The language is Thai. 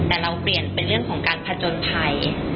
แต่เราเปลี่ยนเป็นเรื่องของการผจญภัย